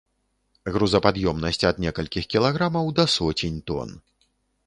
Грузапад'ёмнасць ад некалькіх кілаграмаў да соцень тон.